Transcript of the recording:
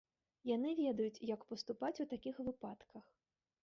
Яны ведаюць, як паступаць у такіх выпадках.